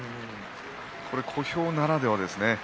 小兵ならではですね。